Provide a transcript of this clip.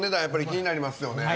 気になりますね。